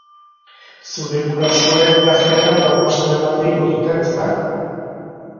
Zure gurasoek gaztetan gaupasaren bat egingo zuten, ezta?